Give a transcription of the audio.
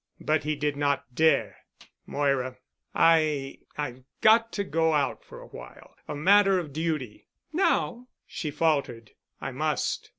But he did not dare. "Moira, I—I've got to go out for awhile—a matter of duty——" "Now?" she faltered. "I must.